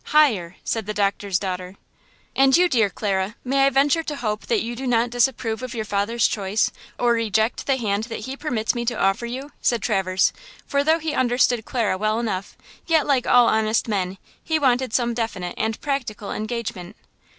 '–higher!" said the doctor's daughter. "And you, dear Clara, may I venture to hope that you do not disapprove of your father's choice, or reject the hand that he permits me to offer you?" said Traverse, for though he understood Clara well enough, yet like all honest men, he wanted some definite and practical engagement.